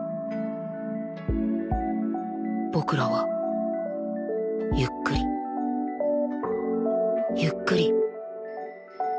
僕らはゆっくりゆっくり